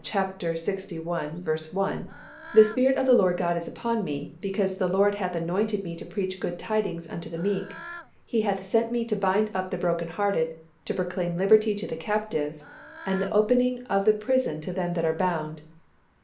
lxi. 1, "The Spirit of the Lord God is upon me, because the LORD hath anointed me to preach good tidings unto the meek; He hath sent me to bind up the broken hearted, to proclaim liberty to the captives, and the opening of the prison to them that are bound."